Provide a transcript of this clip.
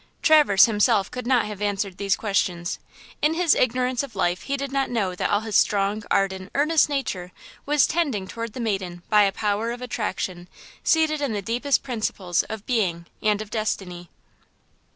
Traverse himself could not have answered these questions. In his ignorance of life he did not know that all his strong, ardent, earnest nature was tending toward the maiden by a power of attraction seated in the deepest principles of being and of destiny.